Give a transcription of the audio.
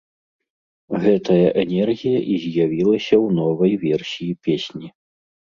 Гэтая энергія і з'явілася ў новай версіі песні.